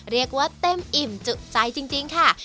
เรียกว่าเต็มอิ่มจุใจจริงค่ะ